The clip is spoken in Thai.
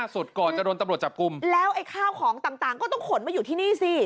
สุดก่อนจะโดนตำรวจจับกลุ่มแล้วไอ้ข้าวของต่างก็ต้องขนมาอยู่ที่นี่สิ